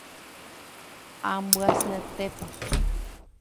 Ambyasyetépa.